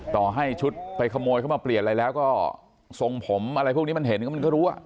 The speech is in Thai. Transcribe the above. ต่อให้ชุดไปขโมยเข้ามาเปลี่ยนอะไรแล้วก็ทรงผมอะไรพวกนี้มันเห็นก็มันก็รู้อ่ะ